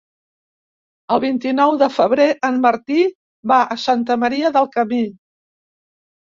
El vint-i-nou de febrer en Martí va a Santa Maria del Camí.